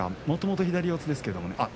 もともと左四つですけどね